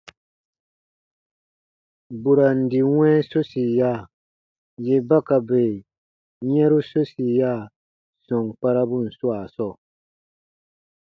Burandi wɛ̃ɛ sosiya, yè ba ka bè yɛ̃ru sosiya sɔm kparabun swaa sɔɔ.